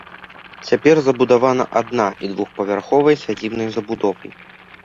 Цяпер забудавана адна і двухпавярховай сядзібнай забудовай.